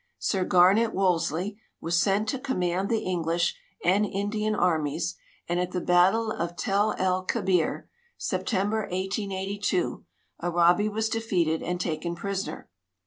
Sir Garnet Wolseley was sent to command the English and Indian armies, and at the battle of Tel el Kebir, September, 1882, Arabi was defeated and taken ]>risoner.